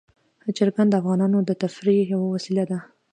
چرګان د افغانانو د تفریح یوه وسیله ده.